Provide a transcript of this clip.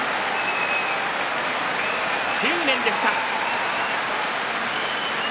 執念でした。